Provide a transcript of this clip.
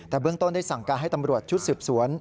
แต่เบื้องต้นได้สั่งการให้ตำรวจชุดสืบสวน